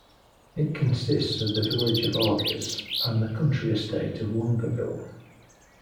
It consists of the village of Orges and the country estate of Longeville.